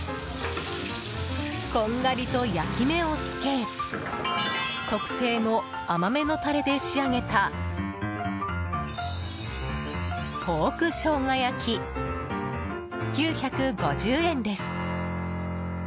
こんがりと焼き目をつけ特製の甘めのタレで仕上げたポーク生姜焼、９５０円です。